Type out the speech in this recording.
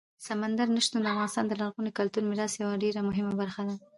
سمندر نه شتون د افغانستان د لرغوني کلتوري میراث یوه ډېره مهمه برخه ده.